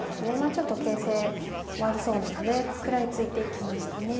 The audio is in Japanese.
ちょっと形勢悪そうなので食らいついていきました。